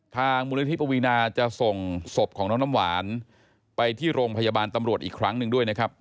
มูลนิธิปวีนาจะส่งศพของน้องน้ำหวานไปที่โรงพยาบาลตำรวจอีกครั้งหนึ่งด้วยนะครับ